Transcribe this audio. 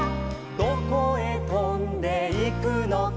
「どこへとんでいくのか」